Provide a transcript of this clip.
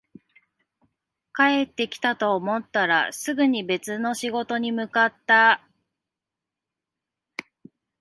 帰ってきたと思ったら、すぐに別の仕事に向かった